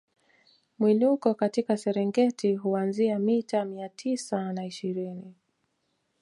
Mwinuko katika Serengeti huanzia mita mia tisa na ishirini